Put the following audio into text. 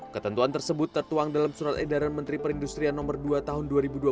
ketentuan tersebut tertuang dalam surat edaran menteri perindustrian no dua tahun dua ribu dua puluh